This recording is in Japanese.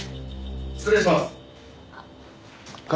失礼します。